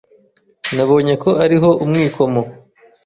Nabonye ko ariho umwikomo